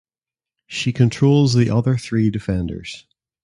She controls the other three defenders.